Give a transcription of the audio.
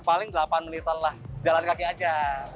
paling delapan menitan lah jalan kaki aja